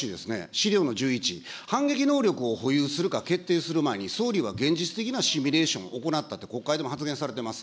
資料の１１、反撃能力を保有するか決定する前に総理は現実的なシミュレーションを行ったと国会でも発言されてます。